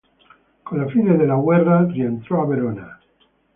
Con la fine della guerra rientrò a Verona.